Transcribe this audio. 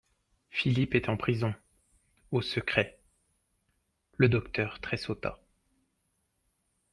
Philippe est en prison, au secret … Le docteur tressauta.